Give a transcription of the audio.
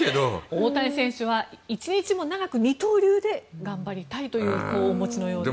大谷選手は１日でも長く二刀流で頑張りたいという意向をお持ちのようです。